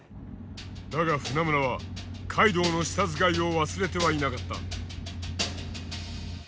だが船村は海道の舌使いを忘れてはいなかった。